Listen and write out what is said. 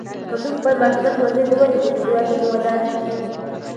که موږ خپل ماشومان ښوونځي ته ولېږو نو هېواد به ودان شي.